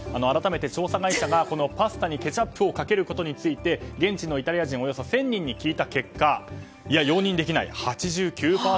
改めて調査会社がパスタにケチャップをかけることについて現地のイタリア人およそ１０００人に聞いた結果容認できないが８９％。